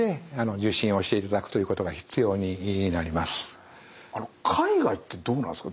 従って海外ってどうなんですか？